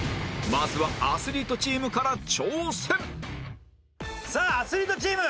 まずはアスリートチームから挑戦さあアスリートチーム！